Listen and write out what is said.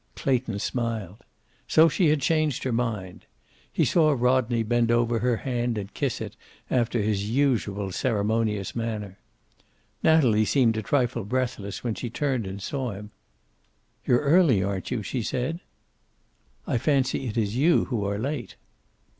Clayton smiled. So she had changed her mind. He saw Rodney bend over her hand and kiss it after his usual ceremonious manner. Natalie seemed a trifle breathless when she turned and saw him. "You're early, aren't you?" she said. "I fancy it is you who are late."